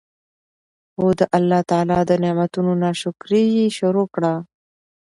خو د الله تعالی د نعمتونو نا شکري ئي شروع کړه